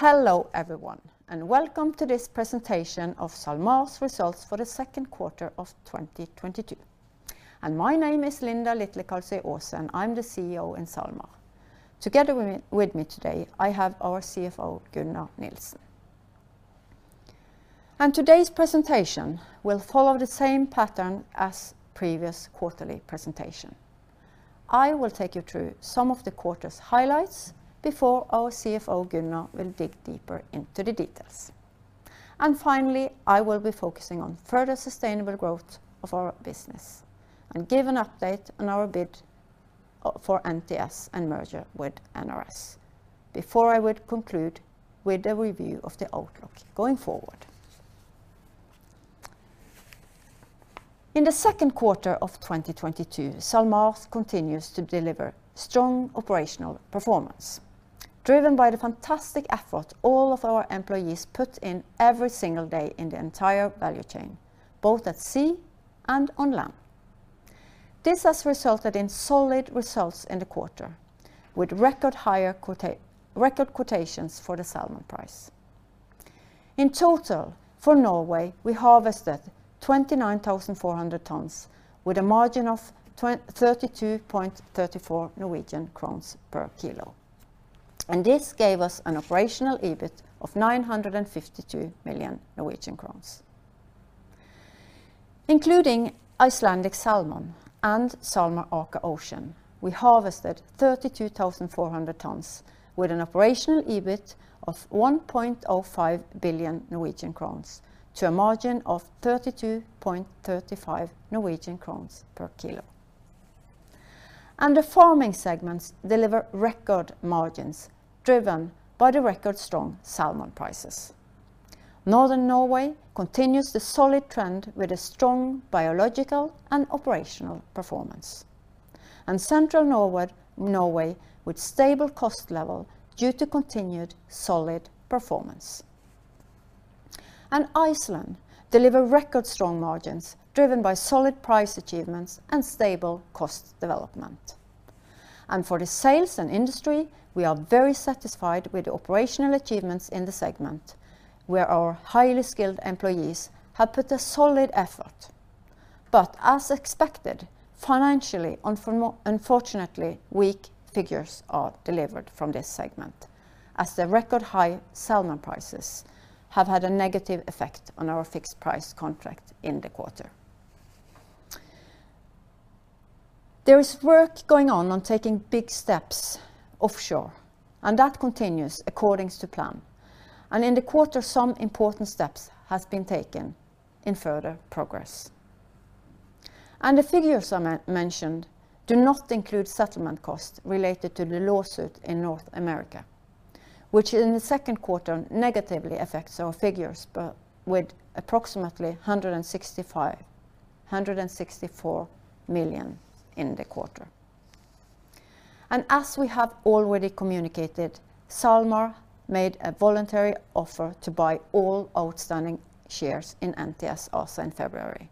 Hello, everyone, and welcome to this presentation of SalMar's results for the Q2 of 2022. My name is Linda Litlekalsøy Aase. I'm the CEO in SalMar. Together with me today, I have our CFO, Gunnar Nielsen. Today's presentation will follow the same pattern as previous quarterly presentation. I will take you through some of the quarter's highlights before our CFO, Gunnar, will dig deeper into the details. Finally, I will be focusing on further sustainable growth of our business and give an update on our bid for NTS and merger with NRS, before I would conclude with a review of the outlook going forward. In the Q2 of 2022, SalMar continues to deliver strong operational performance, driven by the fantastic effort all of our employees put in every single day in the entire value chain, both at sea and on land. This has resulted in solid results in the quarter, with record high quotations for the salmon price. In total, for Norway, we harvested 29,400 tons with a margin of 32.34 Norwegian crowns per kilo. This gave us an operational EBIT of 952 million Norwegian crowns. Including Icelandic Salmon and SalMar Aker Ocean, we harvested 32,400 tons with an operational EBIT of 1.05 billion Norwegian crowns to a margin of 32.35 Norwegian crowns per kilo. The farming segments deliver record margins, driven by the record strong salmon prices. Northern Norway continues the solid trend with a strong biological and operational performance. Central Norway with stable cost level due to continued solid performance. Iceland deliver record strong margins driven by solid price achievements and stable cost development. For the sales and industry, we are very satisfied with the operational achievements in the segment, where our highly skilled employees have put a solid effort. As expected, financially, unfortunately, weak figures are delivered from this segment, as the record high salmon prices have had a negative effect on our fixed price contract in the quarter. There is work going on taking big steps offshore, and that continues according to plan. In the quarter, some important steps has been taken in further progress. The figures mentioned do not include settlement costs related to the lawsuit in North America, which in the Q2 negatively affects our figures, but with approximately 164 million in the quarter. As we have already communicated, SalMar made a voluntary offer to buy all outstanding shares in NTS also in February.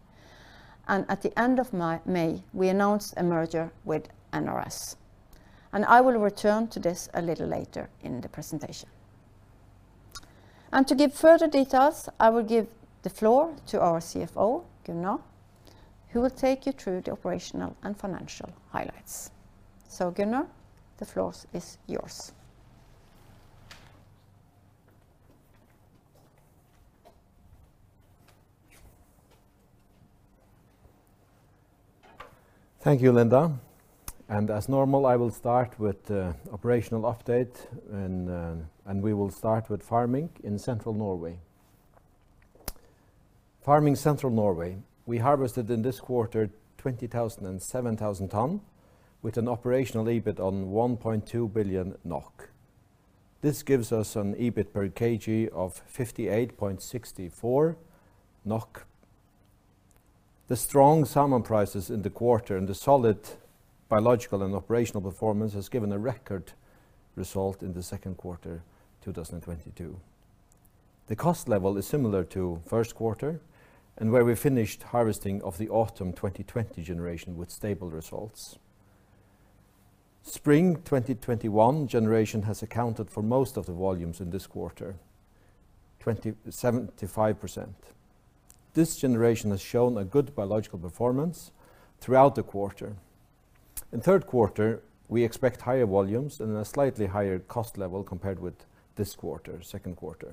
At the end of May, we announced a merger with NRS. I will return to this a little later in the presentation. To give further details, I will give the floor to our CFO, Gunnar Nielsen, who will take you through the operational and financial highlights. Gunnar Nielsen, the floor is yours. Thank you, Linda. As normal, I will start with the operational update and we will start with farming in Central Norway. Farming Central Norway, we harvested in this quarter 27,000 tons with an operational EBIT of 1.2 billion NOK. This gives us an EBIT per kg of 58.64 NOK. The strong salmon prices in the quarter and the solid biological and operational performance has given a record result in the Q2 2022. The cost level is similar to the Q1 and where we finished harvesting of the autumn 2020 generation with stable results. Spring 2021 generation has accounted for most of the volumes in this quarter, 75%. This generation has shown a good biological performance throughout the quarter. In the Q3, we expect higher volumes and a slightly higher cost level compared with this quarter, Q2.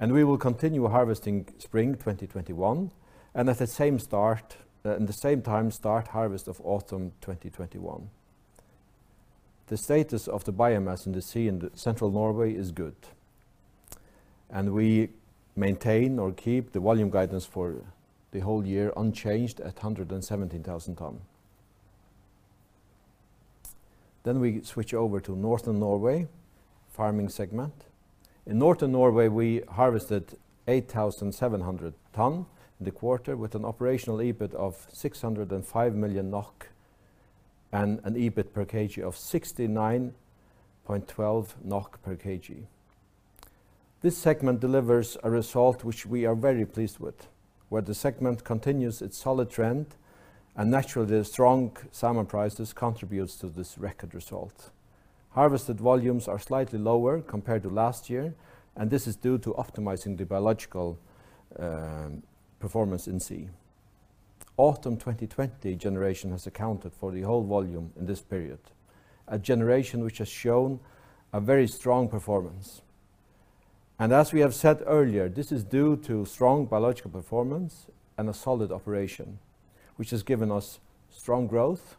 We will continue harvesting spring 2021, and at the same time start harvest of autumn 2021. The status of the biomass in the sea in Central Norway is good, and we maintain the volume guidance for the whole year unchanged at 117,000 ton. We switch over to Northern Norway farming segment. In Northern Norway, we harvested 8,700 ton in the quarter with an operational EBIT of 605 million NOK and an EBIT per kg of 69.12 NOK per kg. This segment delivers a result which we are very pleased with, where the segment continues its solid trend and naturally the strong salmon prices contributes to this record result. Harvested volumes are slightly lower compared to last-year, and this is due to optimizing the biological performance in sea. Autumn 2020 generation has accounted for the whole volume in this period, a generation which has shown a very strong performance. As we have said earlier, this is due to strong biological performance and a solid operation, which has given us strong growth,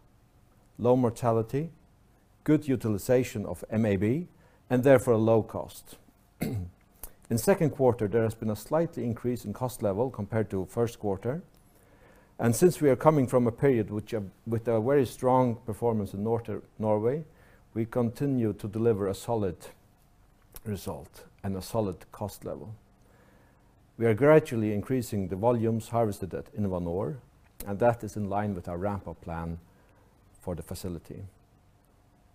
low-mortality, good utilization of MAB, and therefore a low cost. in the Q2, there has been a slight increase in cost level compared to the Q1. Since we are coming from a period with a very strong performance in Norway, we continue to deliver a solid result and a solid cost level. We are gradually increasing the volumes harvested at InnovaNor, and that is in line with our ramp-up plan for the facility.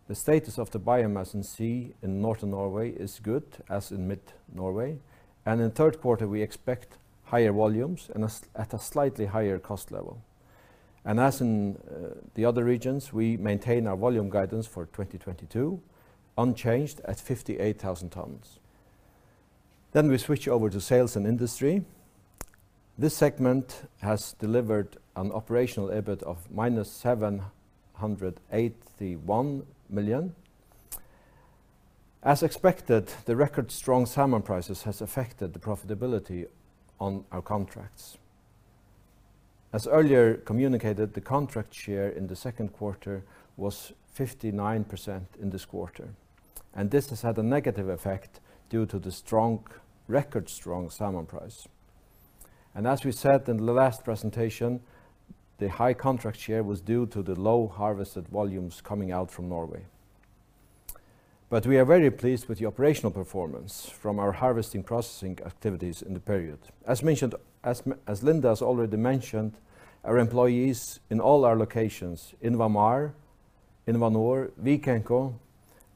The status of the biomass in sea in Northern Norway is good, as in Mid Norway. In the Q3, we expect higher volumes and a slightly higher cost level. As in the other regions, we maintain our volume guidance for 2022 unchanged at 58,000 tons. We switch over to sales and industry. This segment has delivered an operational EBIT of -781 million. As expected, the record strong salmon prices has affected the profitability on our contracts. As earlier communicated, the contract share in the Q2 was 59% in this quarter, and this has had a negative effect due to the record strong salmon price. As we said in the last presentation, the high contract share was due to the low-harvested volumes coming out from Norway. We are very pleased with the operational performance from our harvesting processing activities in the period. Linda has already mentioned, our employees in all our locations, InnovaMar, InnovaNor, Vikenco,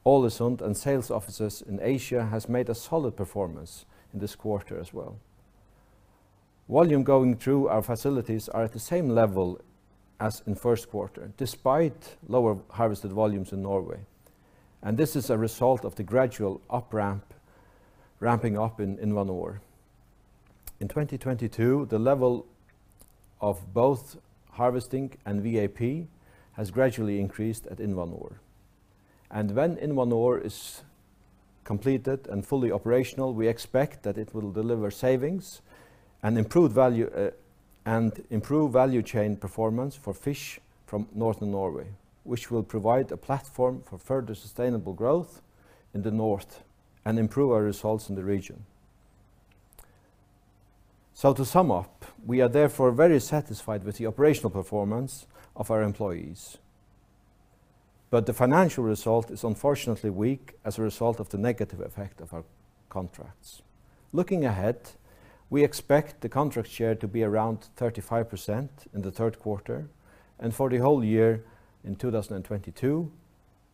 Ålesund, and sales offices in Asia, has made a solid performance in this quarter as well. Volume going through our facilities are at the same level as in the Q1, despite lower-harvested volumes in Norway, and this is a result of the gradual up-ramp, ramping up in InnovaNor. In 2022, the level of both harvesting and VAP has gradually increased at InnovaNor. When InnovaNor is completed and fully operational, we expect that it will deliver savings and improve value, and improve value chain performance for fish from Northern Norway, which will provide a platform for further sustainable growth in the north and improve our results in the region. To sum up, we are therefore very satisfied with the operational performance of our employees. The financial result is unfortunately weak as a result of the negative effect of our contracts. Looking ahead, we expect the contract share to be around 35% in the Q3, and for the whole-year in 2022,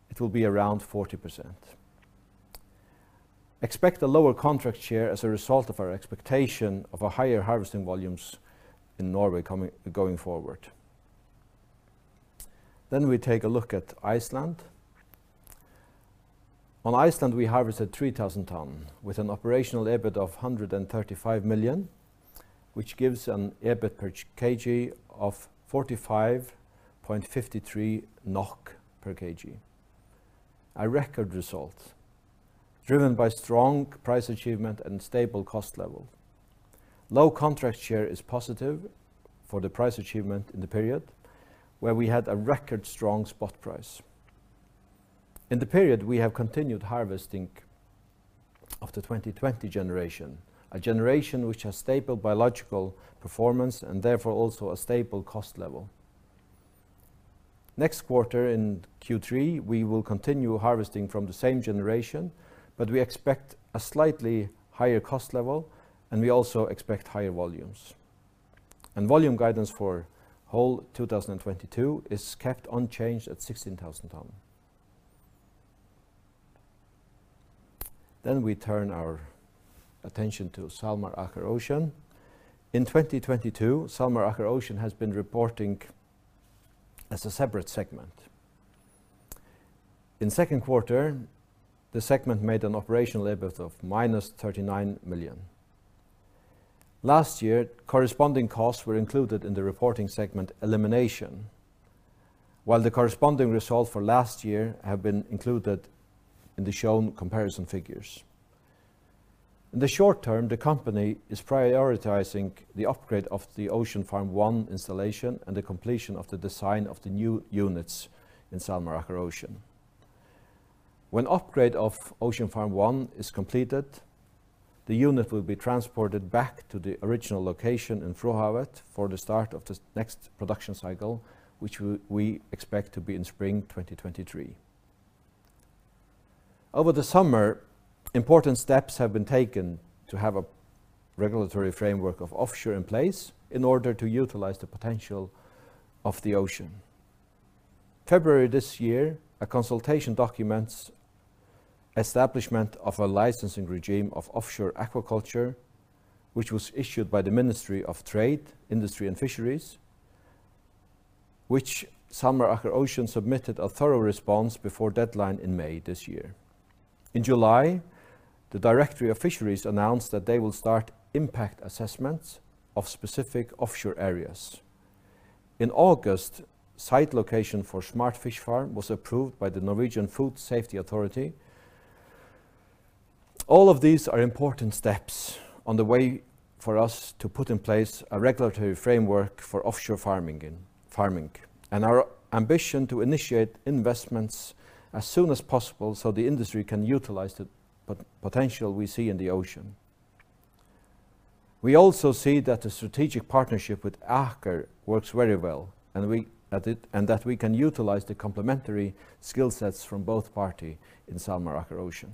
it will be around 40%. Expect a lower contract share as a result of our expectation of a higher-harvesting volumes in Norway going forward. We take a look at Iceland. In Iceland, we harvested 3,000 tons with an operational EBIT of 135 million, which gives an EBIT per kg of 45.53 NOK per kg. A record result driven by strong price achievement and stable cost level. Low-contract share is positive for the price achievement in the period where we had a record strong spot price. In the period, we have continued harvesting of the 2020 generation, a generation which has stable biological performance and therefore also a stable cost level. Next quarter, In the Q3, we will continue harvesting from the same generation, but we expect a slightly higher cost level, and we also expect higher volumes. Volume guidance for whole 2022 is kept unchanged at 16,000 tons. We turn our attention to SalMar Aker Ocean. In 2022, SalMar Aker Ocean has been reporting as a separate segment. in the Q2, the segment made an operational EBIT of -39 million. Last-year, corresponding costs were included in the reporting segment elimination, while the corresponding results for last-year have been included in the shown comparison figures. In the short-term, the company is prioritizing the upgrade of the Ocean Farm One installation and the completion of the design of the new units in SalMar Aker Ocean. When upgrade of Ocean Farm One is completed, the unit will be transported back to the original location in Frohavet for the start of the next production cycle, which we expect to be in spring 2023. Over the summer, important steps have been taken to have a regulatory framework of offshore in place in order to utilize the potential of the ocean. February this year, a consultation document on the establishment of a licensing regime for offshore aquaculture, which was issued by the Ministry of Trade, Industry and Fisheries, which SalMar Aker Ocean submitted a thorough response before deadline in May this year. In July, the Directorate of Fisheries announced that they will start impact assessments of specific offshore areas. In August, site location for Smart Fish Farm was approved by the Norwegian Food Safety Authority. All of these are important steps on the way for us to put in place a regulatory framework for offshore farming, and our ambition to initiate investments as soon as possible, so the industry can utilize the potential we see in the ocean. We also see that the strategic partnership with Aker works very well, and that we can utilize the complementary skill sets from both parties in SalMar Aker Ocean.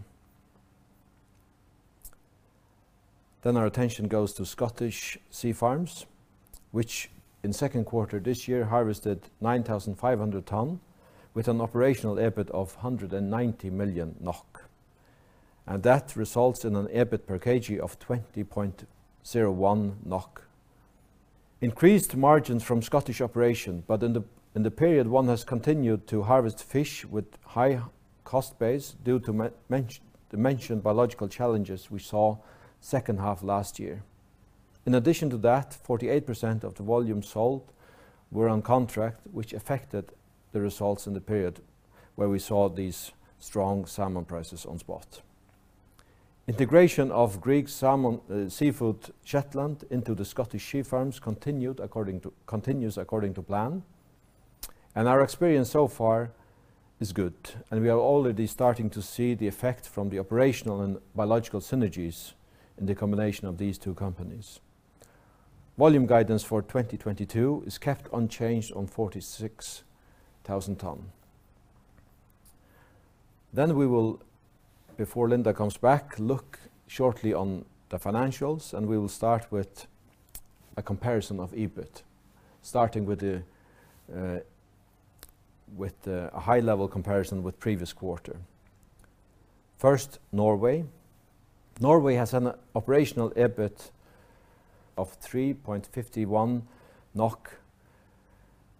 Our attention goes to Scottish Sea Farms, which in the Q2 this year harvested 9,500 tons with an operational EBIT of 190 million NOK. That results in an EBIT per kg of 20.01 NOK. Increased margins from Scottish operation, but in the period, one has continued to harvest fish with high cost base due to the mentioned biological challenges we saw second half last-year. In addition to that, 48% of the volume sold were on contract, which affected the results in the period where we saw these strong salmon prices on spot. Integration of Grieg Seafood Shetland into Scottish Sea Farms continues according to plan. Our experience so far is good, and we are already starting to see the effect from the operational and biological synergies in the combination of these two companies. Volume guidance for 2022 is kept unchanged on 46,000 tons. We will, before Linda comes back, look shortly on the financials, and we will start with a comparison of EBIT, starting with the high-level comparison with previous quarter. First, Norway. Norway has an operational EBIT of 3.51 NOK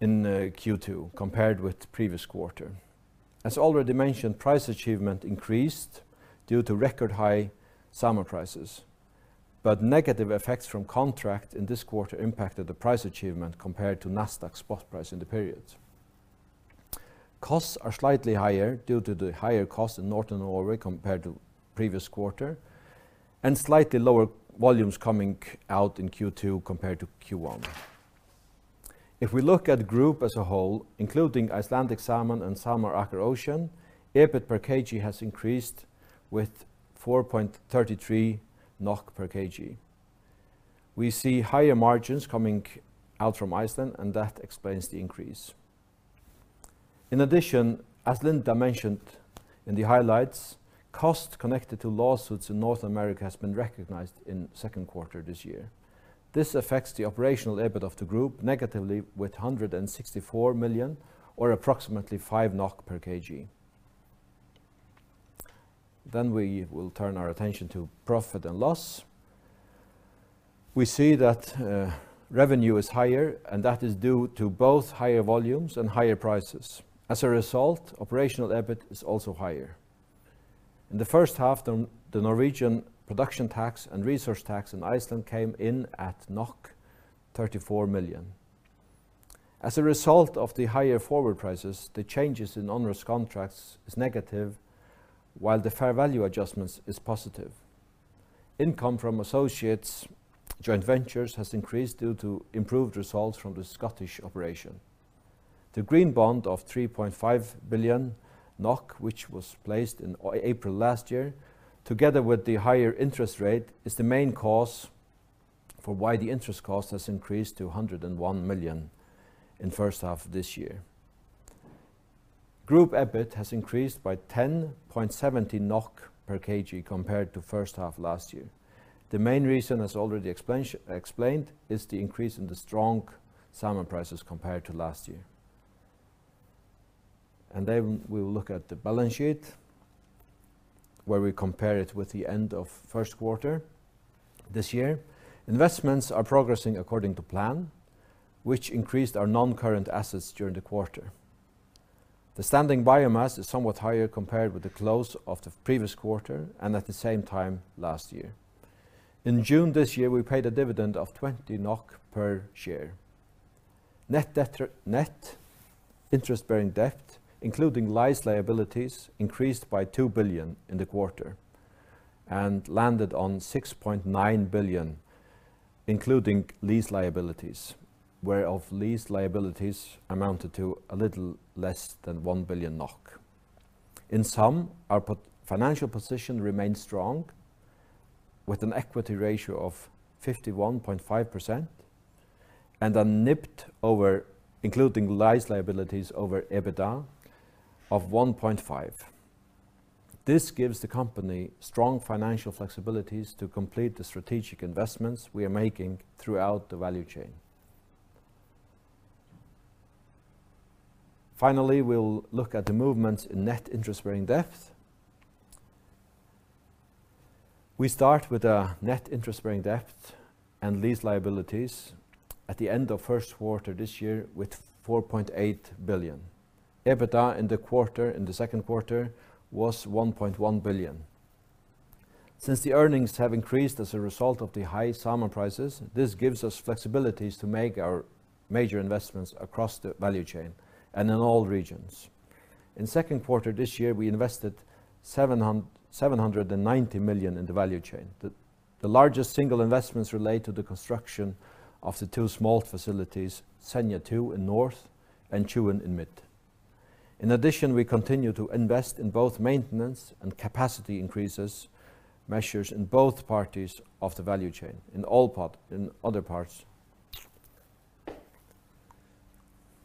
in the Q2 compared with the previous quarter. As already mentioned, price achievement increased due to record high summer prices, but negative effects from contract in this quarter impacted the price achievement compared to Nasdaq spot price in the period. Costs are slightly higher due to the higher cost in Northern Norway compared to previous quarter, and slightly lower volumes coming out in the Q2 compared to Q1. If we look at group as a whole, including Icelandic Salmon and SalMar Aker Ocean, EBIT per kg has increased with 4.33 NOK per kg. We see higher margins coming out from Iceland, and that explains the increase. In addition, as Linda mentioned in the highlights, costs connected to lawsuits in North America has been recognized in the Q2 this year. This affects the operational EBIT of the group negatively with 164 million or approximately 5 NOK per kg. We will turn our attention to profit and loss. We see that revenue is higher, and that is due to both higher volumes and higher prices. As a result, operational EBIT is also higher. In the first half, the Norwegian production tax and resource tax in Iceland came in at 34 million. As a result of the higher forward prices, the changes in onerous contracts is negative, while the fair value adjustments is positive. Income from associates and joint ventures has increased due to improved results from the Scottish operation. The green bond of 3.5 billion NOK, which was placed in April last-year, together with the higher interest rate, is the main cause for why the interest cost has increased to 101 million in first half this year. Group EBIT has increased by 10.70 NOK per kg compared to first half last-year. The main reason, as already explained, is the increase in the strong salmon prices compared to last-year. We will look at the balance sheet, where we compare it with the end of the Q1 this year. Investments are progressing according to plan, which increased our non-current assets during the quarter. The standing biomass is somewhat higher compared with the close of the previous quarter and at the same time last-year. In June this year, we paid a dividend of 20 NOK per share. Net interest-bearing debt, including lease liabilities, increased by 2 billion in the quarter and landed on 6.9 billion, including lease liabilities, whereof lease liabilities amounted to a little less than 1 billion NOK. In sum, our financial position remains strong with an equity ratio of 51.5% and a NIBD including lease liabilities over EBITDA of 1.5. This gives the company strong financial flexibilities to complete the strategic investments we are making throughout the value chain. Finally, we'll look at the movements in net interest-bearing debt. We start with our net interest-bearing debt and lease liabilities at the end of the Q1 this year with 4.8 billion. EBITDA in the Q2 was 1.1 billion. Since the earnings have increased as a result of the high salmon prices, this gives us flexibilities to make our major investments across the value chain and in all regions. in the Q2 this year, we invested 790 million in the value chain. The largest single-investments relate to the construction of the two smolt facilities, Senja 2 in north and Tjuen in mid. In addition, we continue to invest in both maintenance and capacity increases measures in both parts of the value chain, in other parts.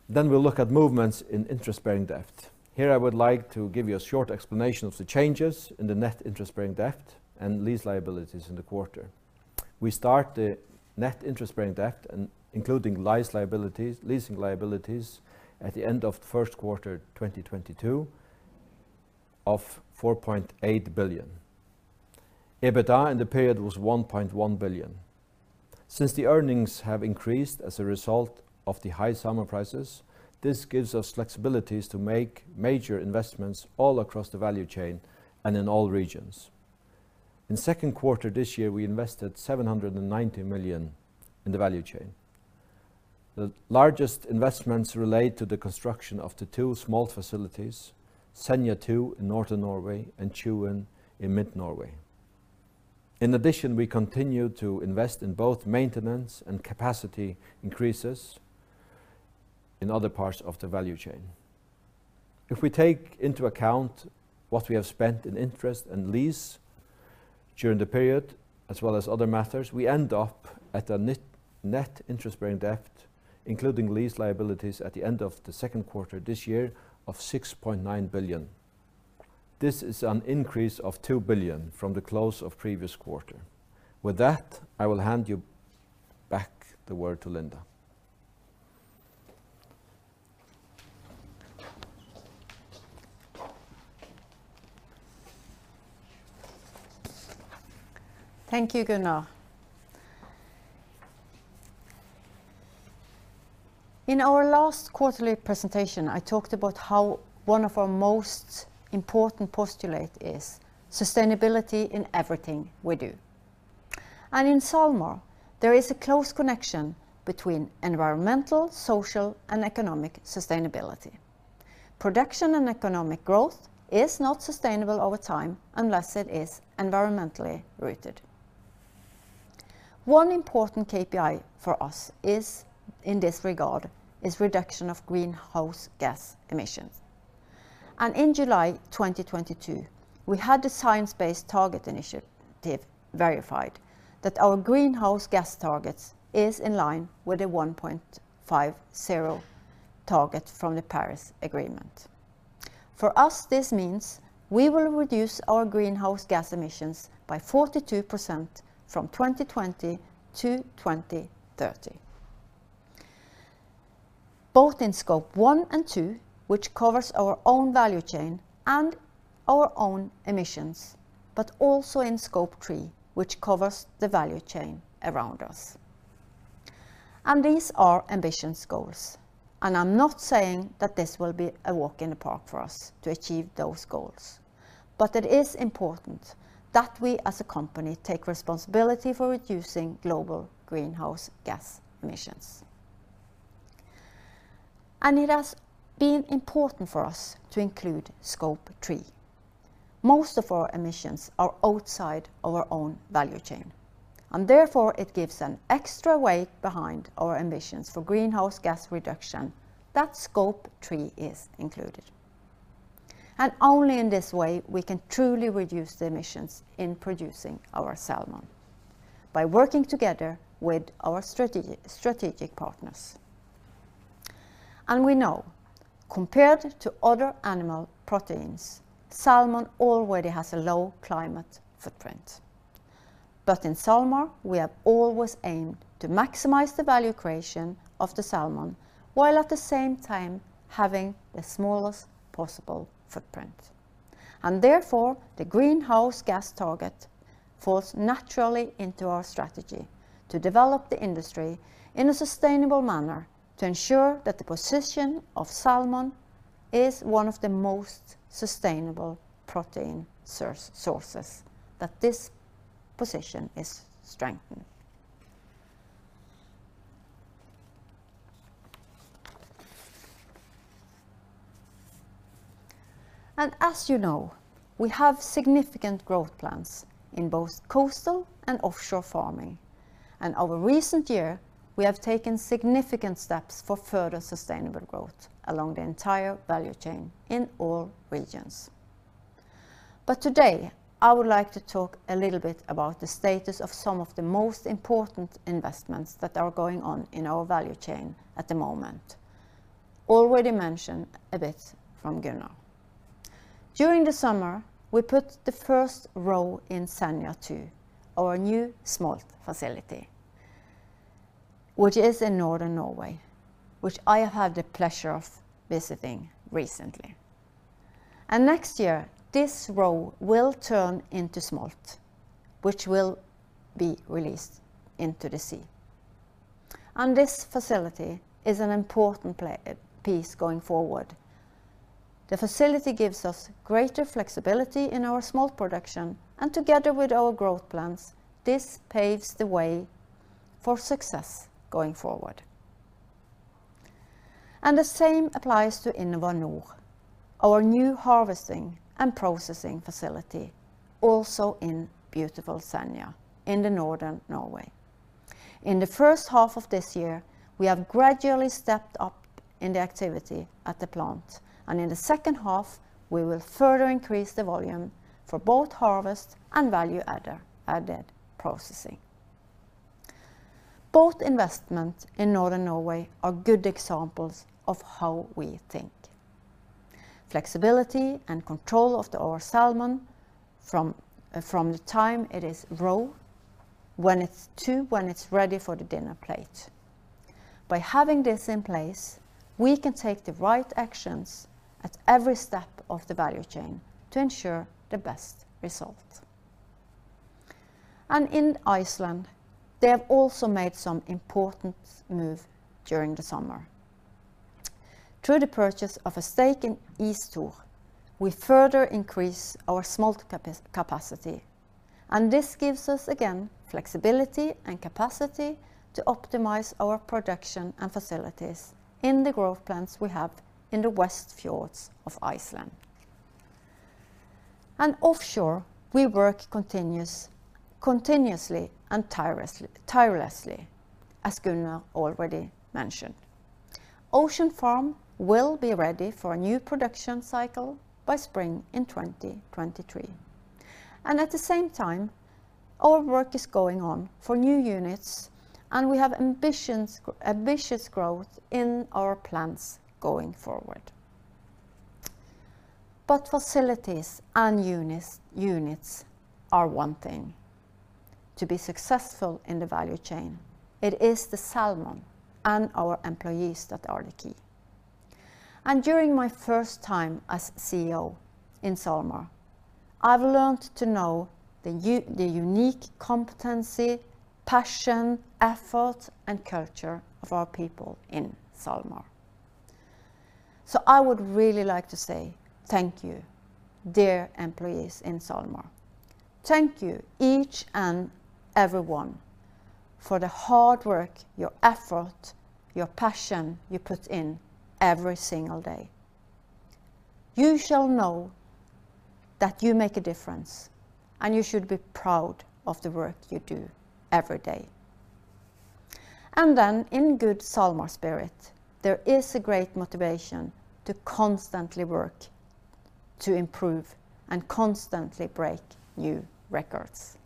We'll look at movements in interest-bearing debt. Here I would like to give you a short explanation of the changes in the net interest-bearing debt and lease liabilities in the quarter. We start the net interest-bearing debt and including leasing liabilities at the end of the Q1 2022 of 4.8 billion. EBITDA in the period was 1.1 billion. Since the earnings have increased as a result of the high salmon prices, this gives us flexibilities to make major investments all across the value chain and in all regions. in the Q2 this year, we invested 790 million in the value chain. The largest investments relate to the construction of the two smolt facilities, Senja 2 in northern Norway and Tjuen in mid Norway. In addition, we continue to invest in both maintenance and capacity increases in other parts of the value chain. If we take into account what we have spent in interest and lease during the period, as well as other matters, we end up at a net interest-bearing debt, including lease liabilities at the end of the Q2 this year of 6.9 billion. This is an increase of 2 billion from the close of previous quarter. With that, I will hand you back the word to Linda. Thank you, Gunnar. In our last quarterly presentation, I talked about how one of our most important postulate is sustainability in everything we do. In SalMar, there is a close connection between environmental, social, and economic sustainability. Production and economic growth is not sustainable over time unless it is environmentally rooted. One important KPI for us is, in this regard, is reduction of greenhouse gas emissions. In July 2022, we had the Science Based Targets initiative verified that our greenhouse gas targets is in line with a 1.5 target from the Paris Agreement. For us, this means we will reduce our greenhouse gas emissions by 42% from 2020 to 2030, both in Scope 1 and 2, which covers our own value chain and our own emissions, but also in Scope 3, which covers the value chain around us. These are ambitious goals, and I'm not saying that this will be a walk in the park for us to achieve those goals. It is important that we, as a company, take responsibility for reducing global greenhouse gas emissions. It has been important for us to include Scope 3. Most of our emissions are outside of our own value chain, and therefore it gives an extra weight behind our ambitions for greenhouse gas reduction that Scope 3 is included. Only in this way we can truly reduce the emissions in producing our salmon by working together with our strategic partners. We know compared to other animal proteins, salmon already has a low-climate footprint. In SalMar, we have always aimed to maximize the value creation of the salmon while at the same time having the smallest possible footprint. Therefore, the greenhouse gas target falls naturally into our strategy to develop the industry in a sustainable manner to ensure that the position of salmon is one of the most sustainable protein sources, that this position is strengthened. As you know, we have significant growth plans in both coastal and offshore farming. Over recent year, we have taken significant steps for further sustainable growth along the entire value chain in all regions. Today, I would like to talk a little bit about the status of some of the most important investments that are going on in our value chain at the moment. Already mentioned a bit from Gunnar. During the summer, we put the first roe in Senja 2, our new smolt facility which is in Northern Norway, which I have had the pleasure of visiting recently. Next year this roe will turn into smolt, which will be released into the sea. This facility is an important piece going forward. The facility gives us greater flexibility in our smolt production, and together with our growth plans, this paves the way for success going forward. The same applies to InnovaNor, our new harvesting and processing facility, also in beautiful Senja in Northern Norway. In the first half of this year, we have gradually stepped up in the activity at the plant, and in the second half we will further increase the volume for both harvest and value-added processing. Both investment in Northern Norway are good examples of how we think. Flexibility and control of our salmon from the time it is roe to when it's ready for the dinner plate. By having this in place, we can take the right actions at every step of the value chain to ensure the best result. In Iceland, they have also made some important move during the summer. Through the purchase of a stake in Ísthor, we further increase our smolt capacity, and this gives us again, flexibility and capacity to optimize our production and facilities in the growth plans we have in the Westfjords of Iceland. Offshore we work continuously and tirelessly, as Gunnar already mentioned. Ocean Farm will be ready for a new production cycle by spring in 2023. At the same time, all work is going on for new units, and we have ambitious growth in our plans going forward. Facilities and units are one thing. To be successful in the value chain, it is the salmon and our employees that are the key. During my first time as CEO in SalMar, I've learned to know the unique competency, passion, effort, and culture of our people in SalMar. I would really like to say thank you, dear employees in SalMar. Thank you each and everyone for the hard work, your effort, your passion you put in every single day. You shall know that you make a difference, and you should be proud of the work you do every day. In good SalMar spirit, there is a great motivation to constantly work, to improve, and constantly break new records.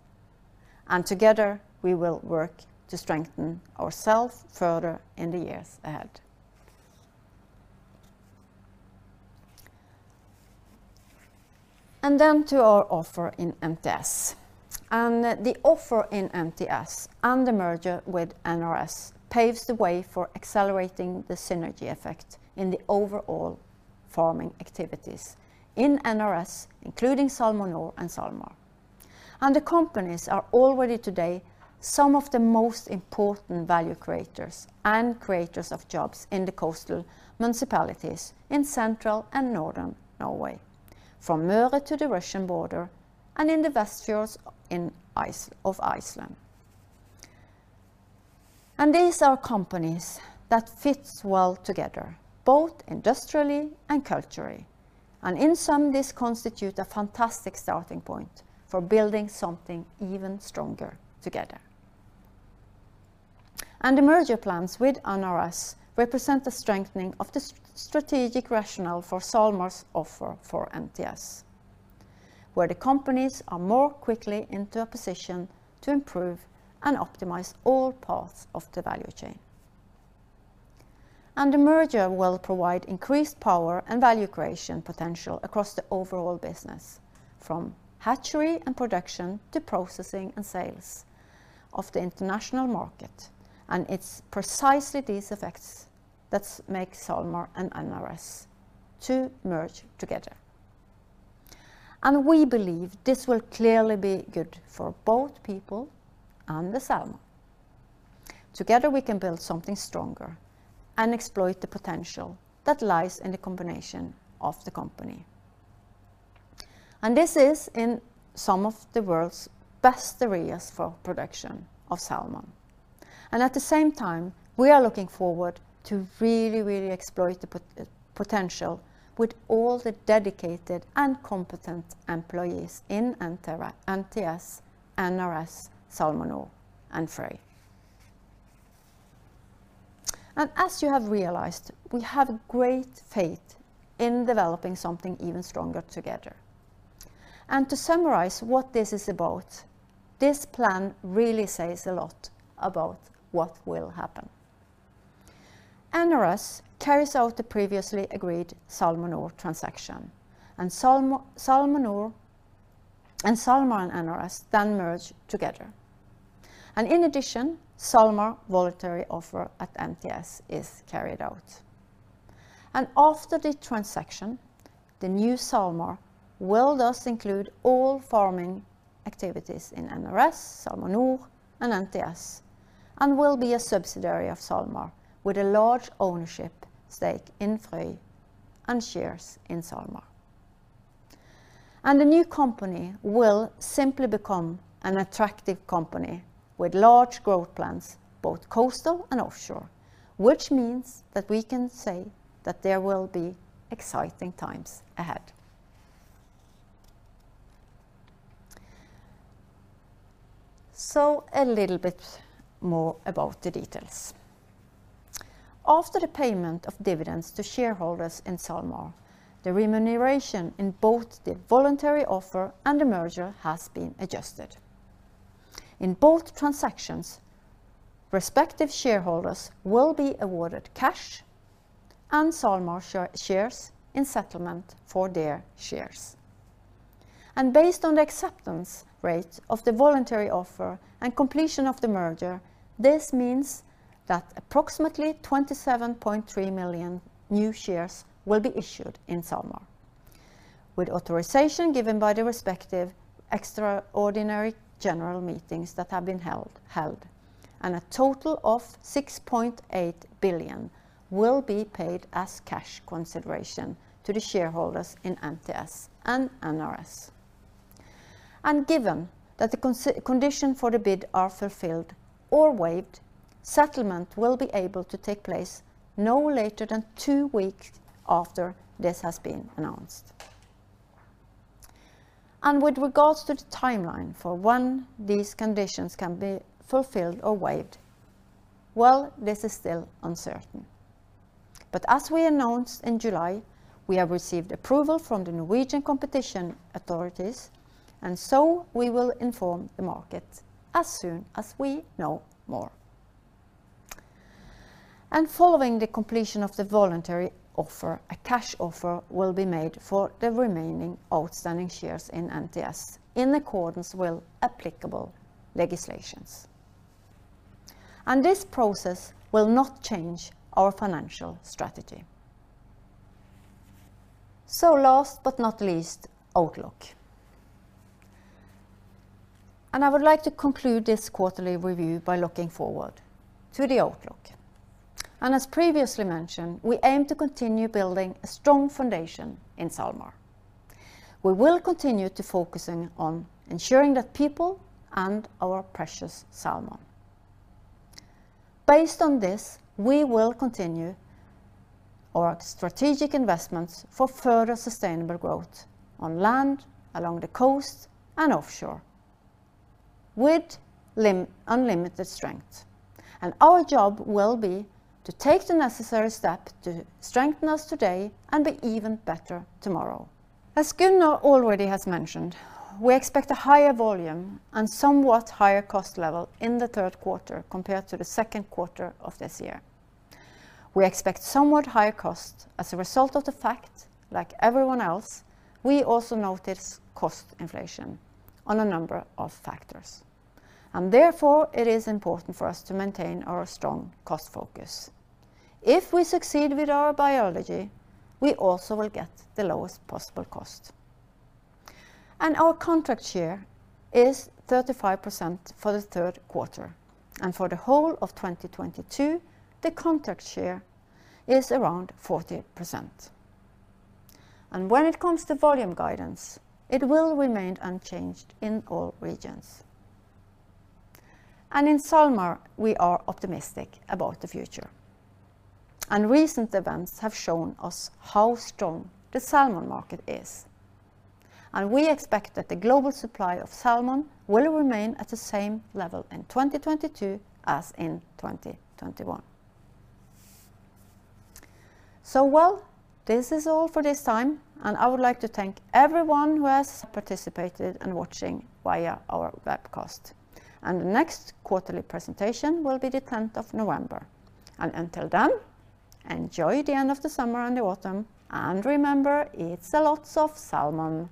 Together we will work to strengthen ourselves further in the years ahead. To our owners. The offer in NTS and the merger with NRS paves the way for accelerating the synergy effect in the overall farming activities in NRS, including SalmoNor and SalMar. The companies are already today some of the most important value creators and creators of jobs in the coastal municipalities in central and northern Norway, from Møre to the Russian border and in the Westfjords in Iceland. These are companies that fits well together, both industrially and culturally. In sum, this constitute a fantastic starting point for building something even stronger together. The merger plans with NRS represent the strengthening of the strategic rationale for SalMar's offer for NTS, where the companies are more quickly into a position to improve and optimize all parts of the value chain. The merger will provide increased power and value creation potential across the overall business, from hatchery and production to processing and sales of the international market. It's precisely these effects that makes SalMar and NRS to merge together. We believe this will clearly be good for both people and the salmon. Together we can build something stronger and exploit the potential that lies in the combination of the company. This is in some of the world's best areas for production of salmon. At the same time, we are looking forward to really exploit the potential with all the dedicated and competent employees in InnovaNor, NRS, SalmoNor, and Frøy. As you have realized, we have great faith in developing something even stronger together. To summarize what this is about, this plan really says a lot about what will happen. NRS carries out the previously agreed SalmoNor transaction, and SalmoNor and SalMar and NRS then merge together. In addition, SalMar voluntary offer at NTS is carried out. After the transaction, the new SalMar will thus include all farming activities in NRS, SalmoNor, and NTS and will be a subsidiary of SalMar with a large ownership stake in Frøy and shares in SalMar. The new company will simply become an attractive company with large growth plans both coastal and offshore, which means that we can say that there will be exciting times ahead. A little bit more about the details. After the payment of dividends to shareholders in SalMar, the remuneration in both the voluntary offer and the merger has been adjusted. In both transactions, respective shareholders will be awarded cash and SalMar shares in settlement for their shares. Based on the acceptance rate of the voluntary offer and completion of the merger, this means that approximately 27.3 million new shares will be issued in SalMar with authorization given by the respective extraordinary general meetings that have been held and a total of 6.8 billion will be paid as cash consideration to the shareholders in NTS and NRS. Given that the condition for the bid are fulfilled or waived, settlement will be able to take place no later than two weeks after this has been announced. With regards to the timeline for when these conditions can be fulfilled or waived, well, this is still uncertain. As we announced in July, we have received approval from the Norwegian Competition Authority, and so we will inform the market as soon as we know more. Following the completion of the voluntary offer, a cash offer will be made for the remaining outstanding shares in NTS in accordance with applicable legislation. This process will not change our financial strategy. Last but not least, outlook. I would like to conclude this quarterly review by looking forward to the outlook. As previously mentioned, we aim to continue building a strong foundation in SalMar. We will continue to focus on ensuring that people and our precious salmon. Based on this, we will continue our strategic investments for further sustainable growth on land, along the coast, and offshore with unlimited strength. Our job will be to take the necessary step to strengthen us today and be even better tomorrow. As Gunnar already has mentioned, we expect a higher volume and somewhat higher cost level in the Q3 compared to the Q2 of this year. We expect somewhat higher cost as a result of the fact, like everyone else, we also notice cost inflation on a number of factors. Therefore, it is important for us to maintain our strong cost focus. If we succeed with our biology, we also will get the lowest possible cost. Our contract share is 35% for the Q3. For the whole of 2022, the contract share is around 40%. When it comes to volume guidance, it will remain unchanged in all regions. In SalMar, we are optimistic about the future. Recent events have shown us how strong the salmon market is. We expect that the global supply of salmon will remain at the same level in 2022 as in 2021. Well, this is all for this time, and I would like to thank everyone who has participated in watching via our webcast. The next quarterly presentation will be the tenth of November. Until then, enjoy the end of the summer and the autumn, and remember, eat a lot of salmon.